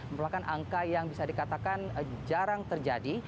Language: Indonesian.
merupakan angka yang bisa dikatakan jarang terjadi